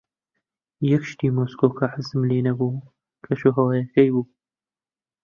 یەک شتی مۆسکۆ کە حەزم لێی نەبوو، کەشوهەواکەی بوو.